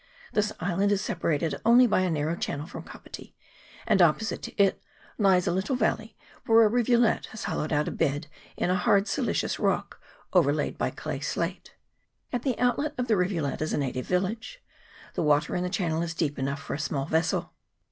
This island is separated only by a narrow channel from Kapiti, and opposite to it lies a little valley, where a rivulet has hollowed out a bed in a hard siliceous rock overlaid by clay slate. At the outlet of the rivulet is a native village. The water in the channel is deep enough for a small vessel.